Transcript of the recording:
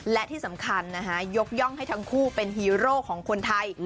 และที่สำคัญนะฮะยกย่องให้ทั้งคู่เป็นฮีโร่ของคนไทย